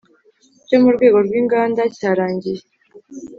Cyo mu rwego rw inganda cyarangiye